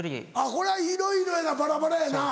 これはいろいろやなバラバラやな。